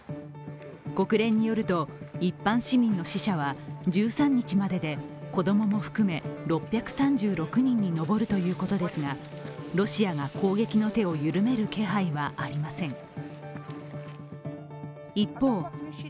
国連によると、一般市民の死者は１３日までで子供も含め６３６人に上るということですがロシアが攻撃の手を緩める気配はありません。